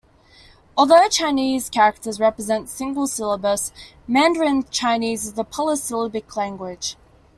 Although Chinese characters represent single syllables, Mandarin Chinese is a polysyllabic language.